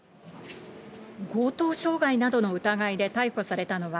強盗傷害などの疑いで逮捕されたのは、